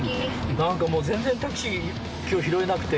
なんかもう全然タクシー今日拾えなくて。